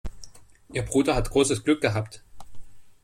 Dein Bruder hat großes Glück gehabt.